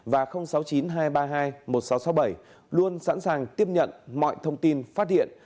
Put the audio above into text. và sáu mươi chín hai trăm ba mươi hai một nghìn sáu trăm sáu mươi bảy luôn sẵn sàng tiếp nhận mọi thông tin phát hiện